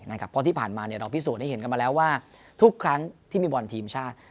เพราะที่ผ่านมาเราพิสูจน์ให้เห็นกันมาแล้วว่าทุกครั้งที่มีบอลทีมชาติ